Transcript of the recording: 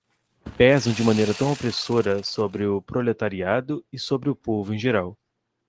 pesam de maneira tão opressora sobre o proletariado e sobre o povo em geral